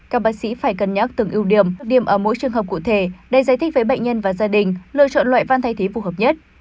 các bác sĩ phải cân nhắc từng ưu điểm điểm ở mỗi trường hợp cụ thể để giải thích với bệnh nhân và gia đình lựa chọn loại văn thay thế phù hợp nhất